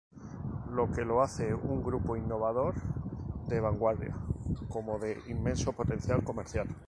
Lo que lo hace un grupo innovador de vanguardia como de inmenso potencial comercial.